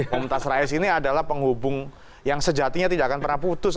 mumtaz rais ini adalah penghubung yang sejatinya tidak akan pernah putus